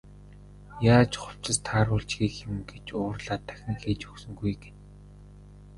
Яаж хувцас тааруулж хийх юм гэж уурлаад дахин хийж өгсөнгүй гэнэ.